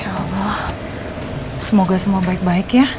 insya allah semoga semua baik baik ya